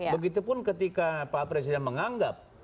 begitupun ketika pak presiden menganggap